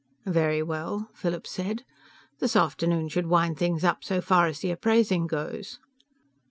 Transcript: "Very well," Philip said. "This afternoon should wind things up so far as the appraising goes."